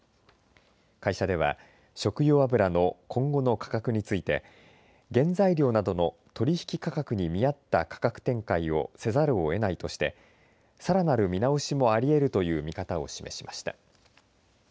会社では、食用油の今後の価格について原材料などの取引価格に見合った価格展開をせざるをえないとしてさらなる見直しもありえるという見方を示しました。